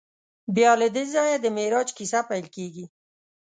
بیا له دې ځایه د معراج کیسه پیل کېږي.